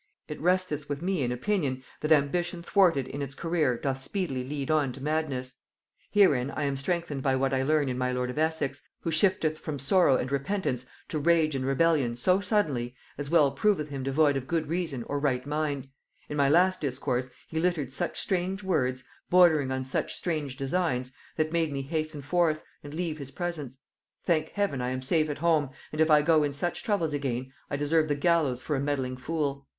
"It resteth with me in opinion, that ambition thwarted in its career doth speedily lead on to madness: herein I am strengthened by what I learn in my lord of Essex, who shifteth from sorrow and repentance to rage and rebellion so suddenly as well proveth him devoid of good reason or right mind; in my last discourse he littered such strange words, bordering on such strange designs, that made me hasten forth, and leave his presence. Thank heaven I am safe at home, and if I go in such troubles again, I deserve the gallows for a meddling fool.